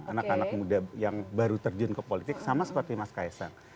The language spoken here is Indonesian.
anak anak muda yang baru terjun ke politik sama seperti mas kaisang